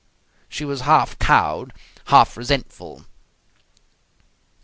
She was half cowed, half resentful.